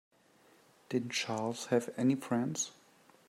Didn't Charles have any friends?